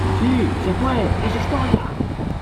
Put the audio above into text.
¡ Sí! ¡ se fué !¡ es historia !